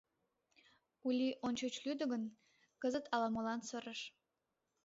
Ули ончыч лӱдӧ гын, кызыт ала-молан сырыш.